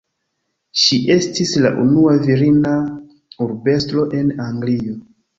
Ŝi estis la unua virina urbestro en Anglio.